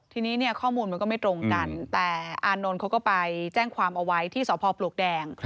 ทีนี้เนี่ยข้อมูลมันก็ไม่ตรงกันแต่อานนท์เขาก็ไปแจ้งความเอาไว้ที่สพปลวกแดง